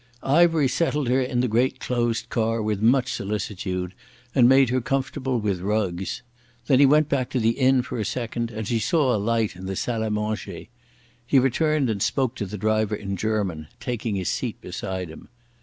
Ivery settled her in the great closed car with much solicitude, and made her comfortable with rugs. Then he went back to the inn for a second, and she saw a light move in the salle à manger. He returned and spoke to the driver in German, taking his seat beside him.